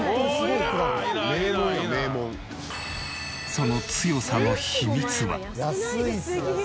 その強さの秘密は。